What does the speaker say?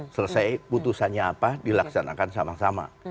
selesai putusannya apa dilaksanakan sama sama